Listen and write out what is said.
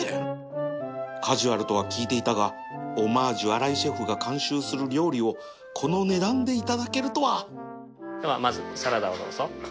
カジュアルとは聞いていたが ＨＯＭＭＡＧＥ 荒井シェフが監修する料理をこの値段でいただけるとはではまずサラダをどうぞ。